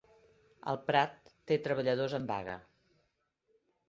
El Prat té treballadors en vaga